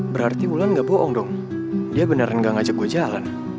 berarti wulan gak bohong dong dia beneran gak ngajak gue jalan